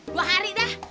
dua hari dah